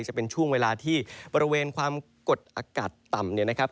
จะเป็นช่วงเวลาที่บริเวณความกดอากาศต่ำเนี่ยนะครับ